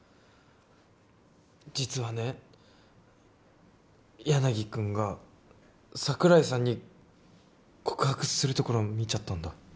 実はね柳くんが桜井さんに告白するところを見ちゃったんだ。